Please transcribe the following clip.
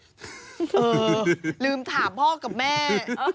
ลืมถามพ่อกับแม่